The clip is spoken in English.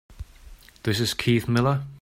This is Keith Miller.